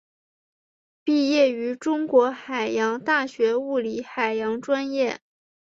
毕业于中国海洋大学物理海洋专业。